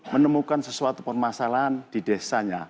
menemukan sesuatu permasalahan di desanya